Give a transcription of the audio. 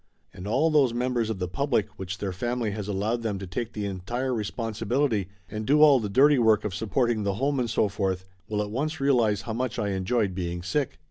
And all those members of the public which their family has allowed them to take the entire responsibility and do all the dirty work of supporting the home and so forth, will at once realize how much I enjoyed being sick.